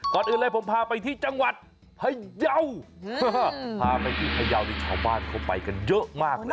ก่อนอื่นเลยผมพาไปที่จังหวัดพยาวพาไปที่พยาวนี่ชาวบ้านเข้าไปกันเยอะมากนะ